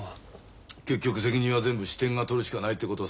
結局責任は全部支店が取るしかないってことさ。